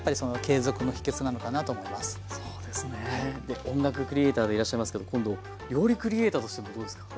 で音楽クリエーターでいらっしゃいますけど今度料理クリエーターとしてもどうですか？